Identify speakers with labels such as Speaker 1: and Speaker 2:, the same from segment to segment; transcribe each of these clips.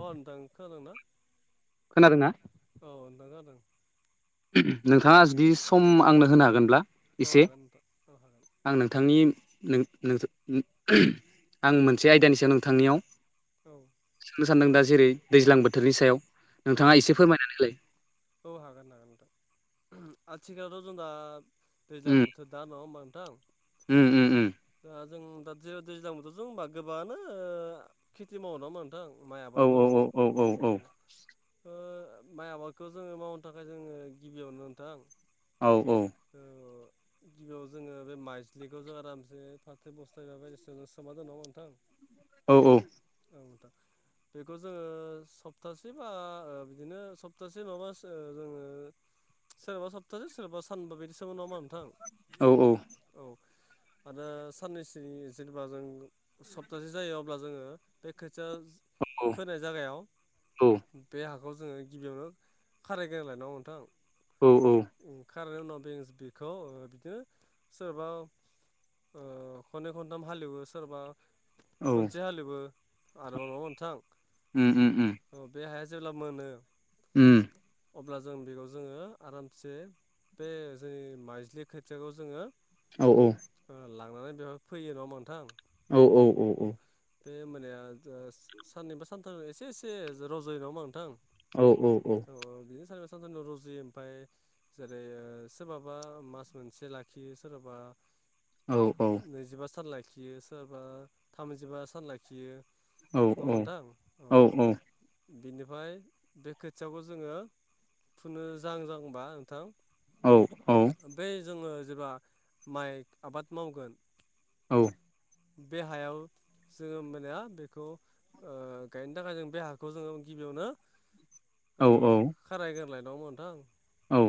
Speaker 1: अ नोंथां खोनादों ना?
Speaker 2: खोनादों ना?
Speaker 1: औ नोंथां जादों।
Speaker 2: नोंथाङा जुदि सम आंनो होनो हागोनब्ला
Speaker 1: औ
Speaker 2: एसे
Speaker 1: हागोन नोंथां औ हागोन
Speaker 2: आं नोंथांनि आं मोनसे आयदानि सायाव नोंथांनियाव
Speaker 1: औ
Speaker 2: सोंनो सानदों दा जेरै दैज्लां बोथोरनि सायाव
Speaker 1: औ
Speaker 2: नोंथाङा
Speaker 1: नोंथां
Speaker 2: एसे फोरमायनानै
Speaker 1: औ हागोन हागोन नोंथां आथिखालावथ' जों दा दैज्लां बोथोर दा नङा होमबा नोंथां
Speaker 2: उम उम उम
Speaker 1: दा जों दा जेराव दैज्लां बोथोर जों होनबा गोबाङानो खेथि मावो नङा होनबा माइ
Speaker 2: औ
Speaker 1: आबाद
Speaker 2: औ
Speaker 1: मावो।
Speaker 2: औ
Speaker 1: ओ
Speaker 2: औ।
Speaker 1: माइ आबादखौ जोङो मावनो थाखाय जोङो गिबियावनो नोंथां
Speaker 2: औ औ।
Speaker 1: ओ गिबियाव जोङो बे माइज्लिखौ जों आरामसे फाथो बस्थाय बायदियाव सोमना दोनो नङा होनबा नोंथां
Speaker 2: औ औ।
Speaker 1: थार बेखौ जोङो सप्तासे बा बिदिनो सप्तासे माबा ओ जोङो सोरबा सप्तासे सोरबा सानबा बिदिसोमो नङा होनबा नोंथां
Speaker 2: औ
Speaker 1: औ। आरो साननैसोनि जेनेबा जों सप्तासे जायो अब्ला जोङो बे खौ खोथिया फोनाय जायगायाव बे बे हाखौ जोङो गिबियावनो खारायग्रोना लागोन नङा होनबा नोंथां?
Speaker 2: औ औ।
Speaker 1: खारायनायनि उनाव बे बेखौ ओ बिदिनो सोरबा खनै खनथाम हालेवो सोरबा
Speaker 2: औ
Speaker 1: खनसे हालेवो आरोबाव नङा होनबा नोंथां।
Speaker 2: उम उम उम
Speaker 1: बे हाया जेब्ला मोनो
Speaker 2: उम।
Speaker 1: अब्ला जों बेखौ जोङो आरामसे बे जोंनि माइज्लि खोथियाखौ जोङो
Speaker 2: औ औ।
Speaker 1: थांनानै बेवहाय फैयो नङा नोंथां?
Speaker 2: औ औ औ औ।
Speaker 1: बे मोनाया साननैबा सानथाम एसे एसे रज'यो नङा होनबा नोंथां?
Speaker 2: औ औ औ।
Speaker 1: सनावनो रुजियो ओमफ्राय जेरै सोरबाबा मास मोनसे लाखियो सोरबाबा
Speaker 2: औ औ
Speaker 1: नैजिबा सान लाखियो सोरबा थामजिबा सान लाखियो
Speaker 2: औ
Speaker 1: नङा
Speaker 2: औ
Speaker 1: होमबा नोंथां
Speaker 2: औ औ।
Speaker 1: बिनिफ्राय बे खोथियाखौ जोङो फुनो जाहां जाहांबा
Speaker 2: औ औ
Speaker 1: नोंथां बे जोङो जेब्ला माइ आबाद मावगोन
Speaker 2: औ।
Speaker 1: बे हायाव जोङो मोनाने बेखौ ओ गायनो थाखाय जों बे हाखौ बे खौ जोङो गिबियावनो खारायग्रोना लानांगौ नोंथां?
Speaker 2: औ।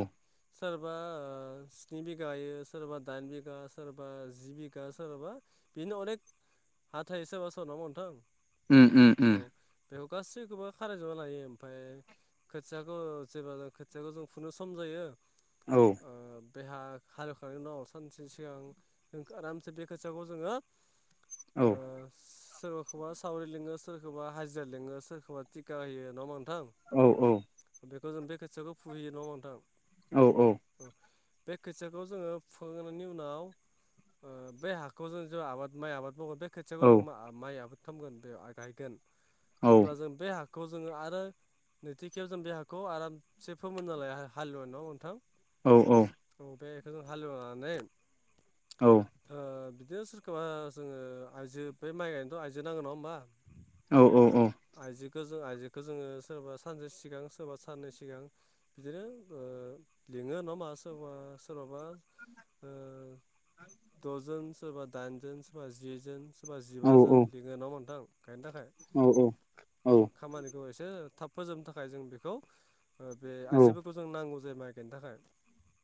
Speaker 1: सोरबा ओ स्नि बिगाायो सोरबा दाइन बिगा सोरबा जि बिगा सोरबा बिनो अनेक हा थायो सोरबा सोरबा नोंथां?
Speaker 2: उम उम उम।
Speaker 1: औ बेखौ गासैखौबो खारायजोबना लायो ओमफ्राय खोथियाखौ जेब्ला ज खोथियाखौ जों फुनो सम जायो
Speaker 2: औ
Speaker 1: ओ बेहा हालेवखांनायनि उनाव सानसे सिगां आरामसे बे खोथियाखौ जोङो ओ
Speaker 2: औ।
Speaker 1: सोरखौबा सावरि लिङो सोरखौबा हाजिरा लिङो सोरखौबा टिखा होयो नङा होनबा
Speaker 2: औ औ
Speaker 1: गो जों बे खोथियाखौ फुहयो न' होनबा नोंथां?
Speaker 2: औ- औ।
Speaker 1: बे खोथियाखौ जोङो फुखांनायनि उनाव ओ- बे हाखखौ जों आबाद माइ आबाद माव बे खोथियाखौ जों माइ आबाद खालामगोन बेयाव आ-गायगोन अब्ला जों बे हा खौ-जोङो आरो नैथिखेब जों बे हाखौ आरामसे फोमोनना लायो हालेवनायाव थां?
Speaker 2: औ-औ।
Speaker 1: हालेवनानै ओ बिदिनो सोरखौबा जोङो आइजो बे माइ गायनोथ' आइजो नांगौ नङा होनोमबा
Speaker 2: औ- औ- औ
Speaker 1: आइजोखौ जों आइजोखौ जोङो सोरबा सानसे सिगां सोरबा साननै सिगां बिदिनो ओ लिङो नामा सोरबा सोरबाबा ओ
Speaker 2: [inaudible]
Speaker 1: द'जोन सोरबा दाइनजोन सोरबा जि जोन सोरबा
Speaker 2: औ औ
Speaker 1: जिबाजोन
Speaker 2: उम
Speaker 1: लिङो नामा नोंथां गायनो थाखाय
Speaker 2: औ- औ- औ
Speaker 1: बेखौ एसे थाब फोजोबनो थाखाय जों बेखौ बे आइजोफोरखौ जों नांगौ जायो माइ गायनो थाखाय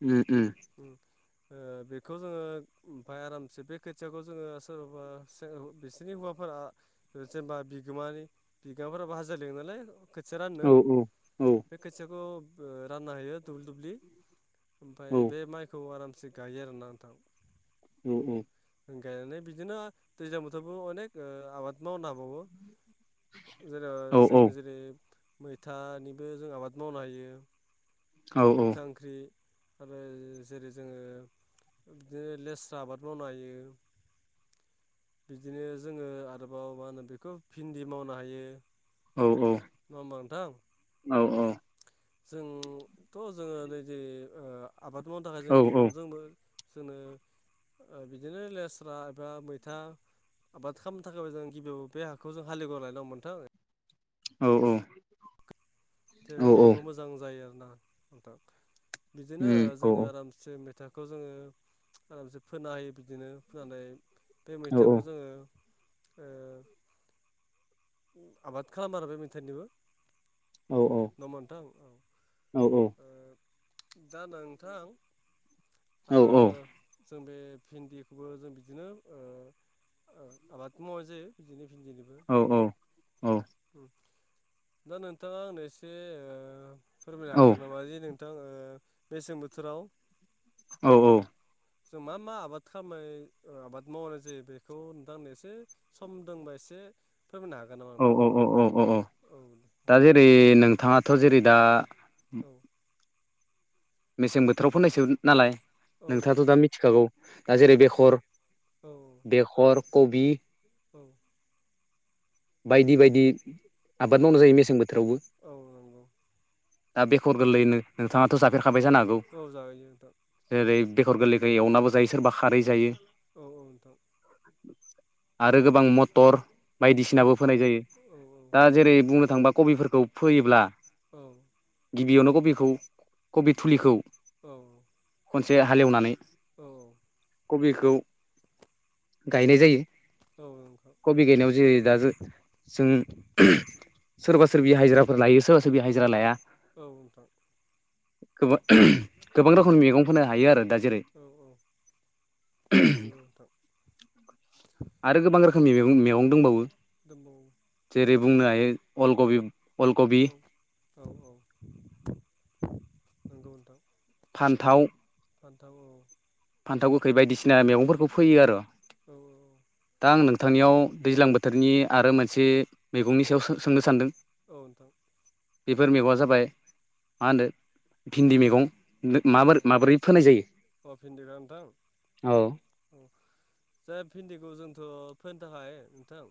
Speaker 2: उ- उ-
Speaker 1: उम ओ- बेखौ जोङो ओमफफ्राय आरामसे बे खोथियाखौ जोङो सोरबा बिसोरनि हौवा फोर जेनेबा बिगोमानि बिगोमाफोराबो हाजो लिङ नालाय खोथिया राननो बे खोथियाख [unintelligible] ओ- रानना होयो दुब्लि दुब्लि ओमफफ्राय बे माइखौ आराम एसे गायो आरोना नोंथां
Speaker 2: औ- औ-
Speaker 1: गायनानै बिदिनो दैज्लां बोथोरबो अनेक आबाद मावनो हाबावो जेराव जों जेरै मैथानिबो जों आबाद मावनो हायो मैथा ओंख्रि आरो जेरै जोङो बिदिनो लेस्रा आबाद मावनो हायो बिदिनो जोङो आरोबाव मा होनो बेखौ भिन्दि मावनो हायो
Speaker 2: औ
Speaker 1: नङा होनबा नोंथां जोंथ' जोङो नैदिे ओ- आ- आबाद मावनो थाखाय जों गिबियावनो जोंबो जोङो ओ- बिदिनो लेस्रा एबा मैथा आबाद खालामनो थाखायबो जों गिबियाव बे हाखौ जों हाललिवर लायनांगौ नोथां
Speaker 2: औ- औ
Speaker 1: जे बे मैगंआ मोजां जायो आरोना आंथां बिदिनो जोङो आरामसे मेथा खौ जोङो आरामसे फोना होयो बिदिनो फोननानै बे मैथाखौ जोङो ए आबाद खालामो आरोना बे मिथाइनिबो नोंथां' मथाम औ-
Speaker 2: औ-
Speaker 1: ओ दा- नोंथां आ- जों बे भिन्दिखौबो जों बिदिनो ओ- ओ आबाद मावनाय जायो बिदिनो बिन जलिबो
Speaker 2: औ-
Speaker 1: दा- नोंथाङा आंनो एसे ओ- फोरमायनो हागोन
Speaker 2: औ
Speaker 1: नामा जे नोंथां ओ- मेसें बोथोराव
Speaker 2: औ- औ
Speaker 1: जों मा मा आबाद खालामो ओ- खालामनाय आबाद मावनाय जायो बेखौ नोंथांनो एसे सम दंबा एसे एसे फोरमायनो हागोन नामा नोंथां
Speaker 2: अ- औ- अ- औ- दा- जेरै नोंथाङाथ' जेरै दा
Speaker 1: औ
Speaker 2: मेसें बोथोराव फोननायसो नालाय
Speaker 1: नोंथां
Speaker 2: नोंथाङाथ' दा मिथिखागौ दा
Speaker 1: औ नोंथां औ
Speaker 2: जेरै बेखर
Speaker 1: औ
Speaker 2: बेखर कबि
Speaker 1: औ।
Speaker 2: बायदि बायदि आबाद मावनाय जायो मेसें बोथोरावबो।
Speaker 1: औ औ नंगौ
Speaker 2: दा बेखर गोरलैनो नोंथाङाथ' जाफेरखाबाय जानो हागौ
Speaker 1: औ जायो नोंथां
Speaker 2: जेरै बेखर गोरलैखौ एवनाबो जायो सोरबा खारै जायो।
Speaker 1: औ औ नोंथां
Speaker 2: आरो गोबां मटर
Speaker 1: औ
Speaker 2: सिनाबो फोनाय जायो
Speaker 1: औ
Speaker 2: दा जेरै बुंनो थांबा कबिफोरखौ फोयोब्ला
Speaker 1: औ
Speaker 2: गिबियावनो कबिखौ कबि फुलिखौ एसे हालएवनानै
Speaker 1: औ
Speaker 2: कबिखौ गायनाय जायो।
Speaker 1: औ नंगौ
Speaker 2: कबि
Speaker 1: नोंथां।
Speaker 2: गायनायाव जेरै दा जो- जों सोरबा सोरबि हाजिराफोर लायो सोरबा सोरबि हाजिरा लाया।
Speaker 1: औ नोंथां।
Speaker 2: गोबा- गोबां रोखोमनि मैगं फोनो हायो आरो दा जेरै
Speaker 1: औ औ नंगौ नोंथां।
Speaker 2: आरो गोबां रोखोमनि मेगं मेगं दंबावो
Speaker 1: दंबावो
Speaker 2: जेरै बुंनो हायो अल कबि
Speaker 1: औ औ औ नंगौ नोंथां।
Speaker 2: फान्थाव
Speaker 1: फानथाव औ
Speaker 2: फान्थाव गोखै बायदिसिना मेगंफोरखौ फैयो आरो
Speaker 1: औ
Speaker 2: दा आं नों थांनियाव दैज्लां बोथोरनि आरो मोनसे मैगंनि सायाव सो-सोंनो सानदों?
Speaker 1: औ नोंथां
Speaker 2: बेफोर मेगङा जाबाय मा होनदो भिन्दि मेगं
Speaker 1: औ
Speaker 2: माबोरै माबोरै फोनाय जायो?
Speaker 1: अ भिनदि ना नोंथां औ जाय भिन्दिखौ जोंथ' फोनो थाखाय नोंथां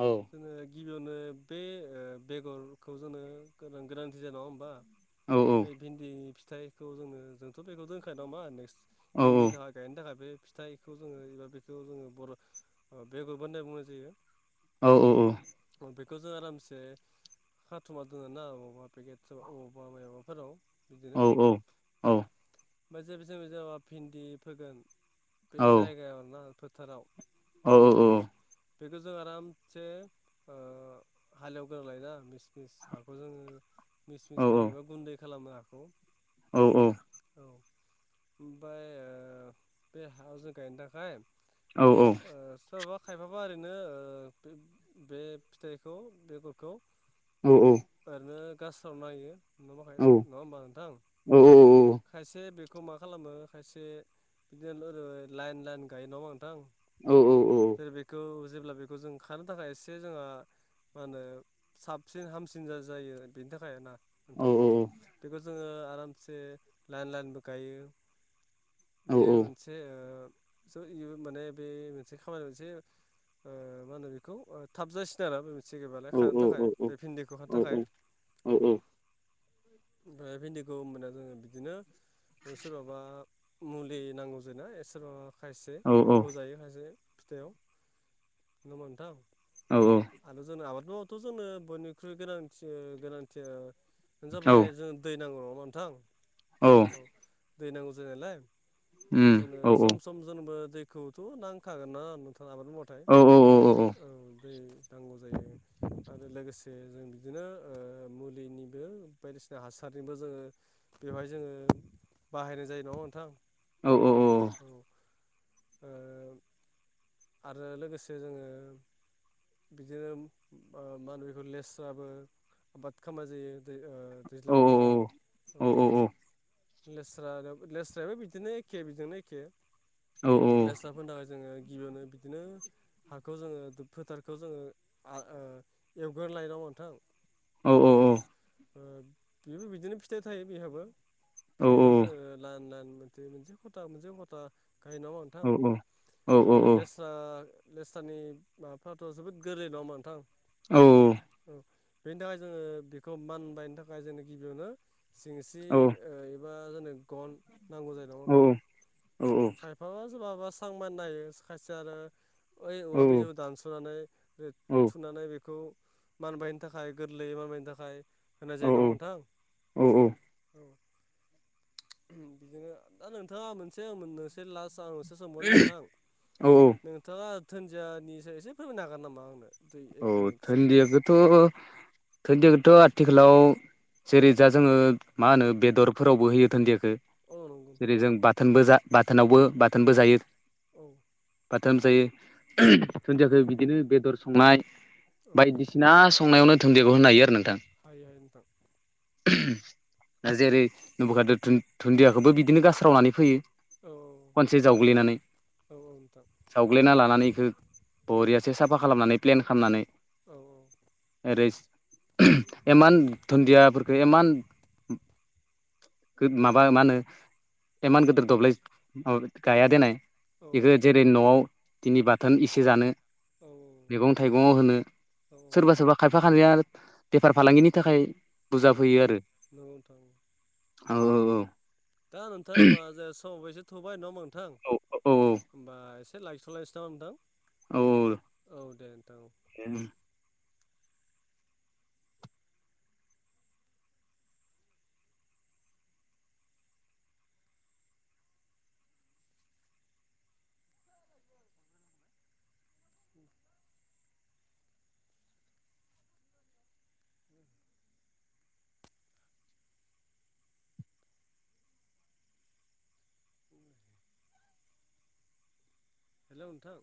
Speaker 2: औ
Speaker 1: जोङो गिबियावनो बे ओ बेगरखौ जोंनो गोनां-गोनांथि जायो नङा होमबा
Speaker 2: औ
Speaker 1: बे भिन्दि फिथाइखौ जोंनो जोंथ' बेखौ दोनखायो नङा होमबा नेक्स्ट
Speaker 2: औ
Speaker 1: इउननि थाखाय गायनो थाखाय बे फिथाइखौ जोङो एबा बेखौ जोङो बर' बेगर होननाय बुंनाय जायो।
Speaker 2: औ औ औ
Speaker 1: बेखौ जों आरामसे खाथुमना दोनो ना अबावबा पेकेट फोराव अबावबा माबाफोराव बिदिनो
Speaker 2: औ औ औ
Speaker 1: ओमफ्राय जेबो जेबो जाबा भिन्दि फोगोन बे
Speaker 2: औ
Speaker 1: जायगायाव ना फोथाराव
Speaker 2: औ औ औ
Speaker 1: बेखौ जों आरामसे ओ हालएवग्रोना लायोना मिस मिस हाखौ जोङो मिसमिस खालामोबा गुन्दै खालामो हाखौ।
Speaker 2: औ औ
Speaker 1: ओमफाय ओ बे हाजों गायनो थाखाय
Speaker 2: औ औ
Speaker 1: ओ सोरबा खायफाबा ओरैनो ओ बे फिथाइखौ बेगरखौ ओरैनो गास्रावना होयो। नङाबा गाय नङा होमबा नोंथां खायसे बे खौ मा खालामो खायसे बिदिनो ओरै लाइन लाइन गायो नङा होमबा नोंथां। जेरै बेखौ जेब्ला बेखौ जों खानो थाखाय एसे जोंहा मा होनो साबसिन हामसिन जायो बेनि थाखाय ना नोंथां बेखौ जोङो आरामसे लाइन लाइनबो गायो। बेयो मोनसे ओ स यो माने बे मोनसे खामानि मोनसे ओ मा होनो बेखौ ओ थाबजासिगोन आरो सिगिबालाय खानो थाखाय बे भिन्दिखौ खानो थाखाय औ ओमफ्राय भिन्दिखौ मोना जोङो बिदिनो ओ सोरबाबा मुलि नांगौ जों ना एबा खायसे
Speaker 2: औ औ
Speaker 1: एम्फौ जायो खायसे फिथाइाव नङा नोंथां
Speaker 2: औ उम औ
Speaker 1: आरो जोंनो आबाद न'आवथ' जोंनो बयनिख्रुइ गोनांथि ओ गोनांथिया ओ जाबाय जों दै नांगौ। [inaudible]
Speaker 2: औ
Speaker 1: दै नांगौ जायो नालाय जोंनो सम सम जोंनोबो दैखौथ नांखागोन ना नोऔ [inaudible] आरो लोगोसे जों बिदिनो मुलिनिबो बायदिसिना हासारनिबो जोङो बेवहाय जोङो बाहायनाय जायो नामा नोंथां
Speaker 2: औ औ औ
Speaker 1: ओ आरो लोगोसे जोङो बिदिनो मा होनो बेखौ लेसाबो आबाद खालामामनाय जायो दै दैज्लां बोथोराव लेस्रा लेस्रायाबो बिदिनो एखे बेजोंनो एखे लेस्राफोरनि थाखाय जोङो गिबियावनो बिदिनो हाखौ जोङो फोथार [inaudible]
Speaker 2: औ औ
Speaker 1: ओ
Speaker 2: औ
Speaker 1: बेबो बिदिनो फिथाइ थायो बिहाबो फिथाइखौ जोङो लाइन लाइन मोनसे खथा मोनसे खथा गायो नामा नोंथां आरो लेस्रा [inaudible] बेनि थाखाय जोङो बेखौ मानबायनो थाखाय जोङो गिबियावनो सिंस्रि [inaudible] एसां मान नायो खायसे आरो ओइ औवा बिजौखौ दानस'नानै थुनानै बेखौ मानबायनो थाखाय गोरलैयै मानबायनो थाखाय होनाय
Speaker 2: औ
Speaker 1: जायो नङा होमबा
Speaker 2: औ
Speaker 1: नोंथां औ [inaudible] [inaudible]
Speaker 2: औ
Speaker 1: मिनिटसो
Speaker 2: धोनदियाखौथ धोनदियाखौथ' आथिखालाव जेरै जा जोङो मा
Speaker 1: औ
Speaker 2: होनो बेदरफोरावबो होयो धोनदियाखौ
Speaker 1: औ नंगौ नोंथां
Speaker 2: जेरै जों बाथोनबो बाथोनावबो बाथोनबो जायो
Speaker 1: औ
Speaker 2: गोथाम जायो
Speaker 1: औ
Speaker 2: दुन्दियाखौ बिदिनो बेदर संनाय
Speaker 1: औ
Speaker 2: बायदिसिना संनायावनो धोनदियाखौ होनो हायो आरो ना
Speaker 1: [inaudible]
Speaker 2: जेरै नबखाद दुुनदियाखौबो बिदिनो गास्रावनानै फैयो
Speaker 1: औ
Speaker 2: खनसे जावग्लिनानै
Speaker 1: औ नोंथां
Speaker 2: जावग्लिना लानानै इखो
Speaker 1: औ
Speaker 2: बरियासो साफा खालामनानै प्लेन खालामनानै
Speaker 1: औ
Speaker 2: ओरै एमान दुन्दियाफोरखो एमान माबा मा होनो एमान गिदिर दब्लाय माबा गाया देननाय बेखौ जेरै न'आव दिनि बाथोन एसे जानो
Speaker 1: औ
Speaker 2: मैगं थाइगंआव होनो
Speaker 1: औ नंगौ
Speaker 2: सोरबा सोरबा खायफा खाया बेफार फालांगिनि थाखाय बुरजा
Speaker 1: औ नंगौ नोंथां
Speaker 2: औ औ औ
Speaker 1: दा नोंथां होमबा जे समाबो एसे थौबाय नङा होमबा नोंथां
Speaker 2: औ औ
Speaker 1: होमबा एसे से लाखि थलखयनोसै नामा नोंथां
Speaker 2: औ
Speaker 1: औ दे नोंथां औ
Speaker 2: औ
Speaker 1: हेलौ नोंथां